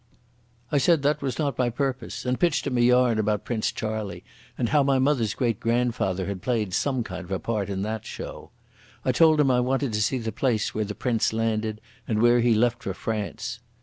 I said that was not my purpose, and pitched him a yarn about Prince Charlie and how my mother's great grandfather had played some kind of part in that show. I told him I wanted to see the place where the Prince landed and where he left for France.